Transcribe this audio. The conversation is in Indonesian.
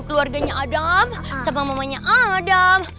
keluarganya adam sama mamanya adam